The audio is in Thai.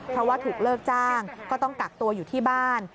เพราะว่าถูกเลิกจ้างก็ต้องกักตัวอยู่ที่บ้าน